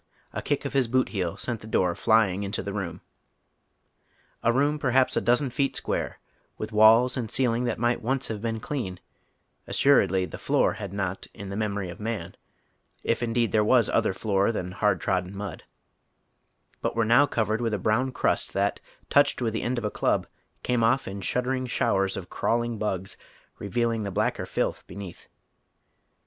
A kick of his boot heel sent the door flying into the room. A room perhaps a dozen feet square, witii walls and ceiling that might once have been clean — assuredly the floor had not in the memory of man, if indeed there was other floor than hard trodden mud — but were now covered with a brown crust that, touched with the end of a club, came off in shuddering sliowers of crawling bugs, reveal ing the blacker filth beneath.